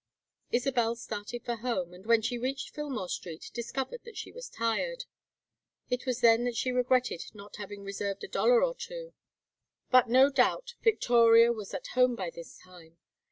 Isabel started for home, and when she reached Fillmore Street discovered that she was tired. It was then that she regretted not having reserved a dollar or two; but no doubt Victoria was at home by this time.